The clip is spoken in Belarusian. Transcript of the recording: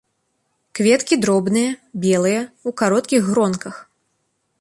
Кветкі дробныя, белыя, у кароткіх гронках.